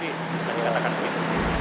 biasanya katakan begitu